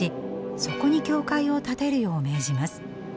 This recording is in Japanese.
そこに教会を建てるよう命じます。